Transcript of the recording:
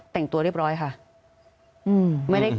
แต่งตัวเรียบร้อยค่ะ